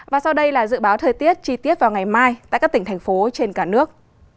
và sau đây là dự báo thời tiết chi tiết vào ngày mai tại các tỉnh thành phố trên cả nước